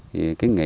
thì tiến nghị